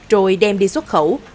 rồi đem đi xuất hạt